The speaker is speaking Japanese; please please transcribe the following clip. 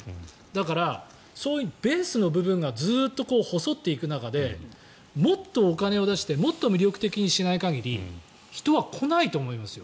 だから、そういうベースの部分がずっと細っていく中でもっとお金を出してもっと魅力的にしない限り人は来ないと思いますよ。